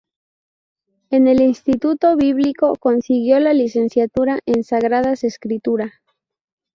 En el Instituto Bíblico consiguió la licenciatura en Sagradas Escritura.